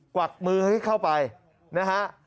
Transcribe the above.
วักมือให้เข้าไปนะฮะ